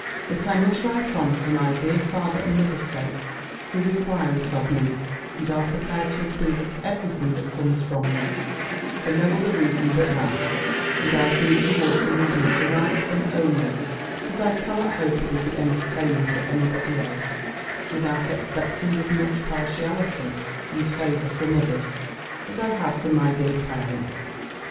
Yet I must write on, for my dear father and mother's sake, who require it of me, and are prepared to approve of every thing that comes from me, for no other reason but that: and I think you ought to leave me to write to them only, as I cannot hope it will be entertaining to any body else, without expecting as much partiality and favour from others, as I have from my dear parents.